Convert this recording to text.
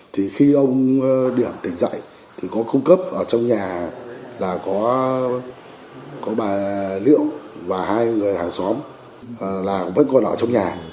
thì khi ông điểm tỉnh dậy thì có cung cấp ở trong nhà là có bà liệu và hai người hàng xóm là vẫn còn ở trong nhà